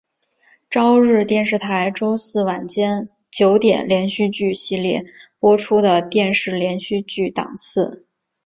朝日电视台周四晚间九点连续剧系列播出的电视连续剧档次。